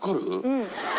うん。